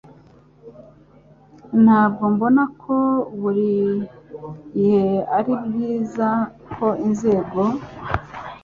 Ntabwo mbona ko buri gihe ari byiza ko inzego